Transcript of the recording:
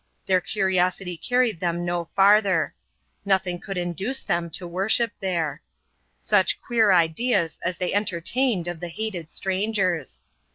Their curiosity carried them no further 5 nothing could induce them to worship there. Such queer ideas as they entertained of the hated strangers